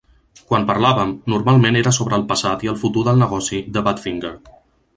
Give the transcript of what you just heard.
Quan parlàvem, normalment era sobre el passat i el futur del negoci de Badfinger.